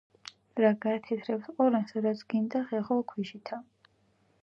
რა გაათეთრებს ყორანსა, რაც გინდა ხეხო ქვიშითა